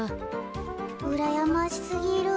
うらやましすぎる。